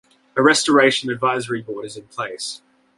A Restoration Advisory Board is in place.